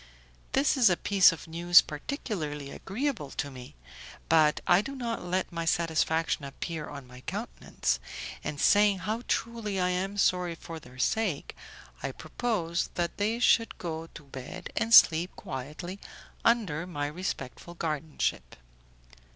This is a piece of news particularly agreeable to me, but I do not let my satisfaction appear on my countenance, and saying how truly I am sorry for their sake, I propose that they should go to bed and sleep quietly under my respectful guardianship.